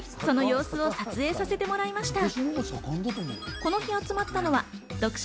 今回その様子を取材させてもらいました。